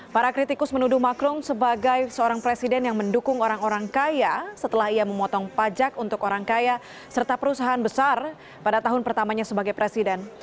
para kritikus menuduh macron sebagai seorang presiden yang mendukung orang orang kaya setelah ia memotong pajak untuk orang kaya serta perusahaan besar pada tahun pertamanya sebagai presiden